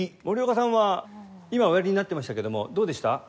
守岡さんは今おやりになってましたけどもどうでした？